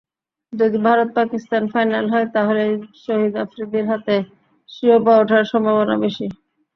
যদি ভারত-পাকিস্তান ফাইনাল হয়, তাহলেই শহীদ আফ্রিদির হাতে শিরোপা ওঠার সম্ভাবনা বেশি।